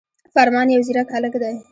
فرمان يو ځيرک هلک دی